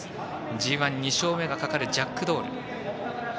ＧＩ、２勝目がかかるジャックドール。